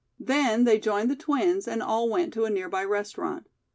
Then they joined the twins and all went to a nearby restaurant.